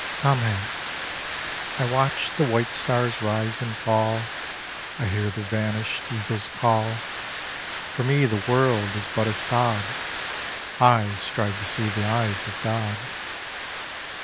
SAMHÉ: 'I watch the white Stars rise and fall; I hear the vanish'd Eagles call; For me the World is but a Sod; I strive to see the eyes of God.